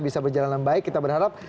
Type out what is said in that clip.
bisa berjalanan baik kita berharap